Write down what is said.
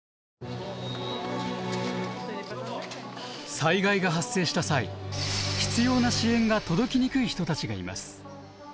災害が発生した際必要な支援が届きにくい人たちがいます。